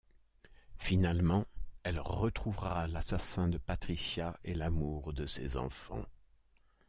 Finalement, elle retrouvera l'assassin de Patricia et l'amour de ses enfants.